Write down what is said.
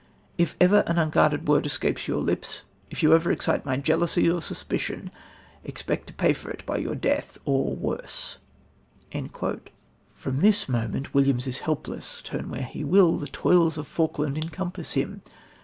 If ever an unguarded word escape from your lips, if ever you excite my jealousy or suspicion, expect to pay for it by your death or worse." From this moment Williams is helpless. Turn where he will, the toils of Falkland encompass him.